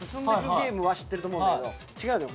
ゲームは知ってると思うんだけど違うのよ